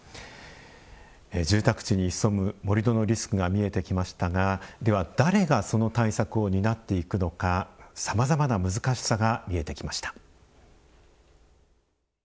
住宅地に潜む盛土のリスクが見えてきましたがでは誰がその対策を担っていくのかさまざまな難しさが見えてきました。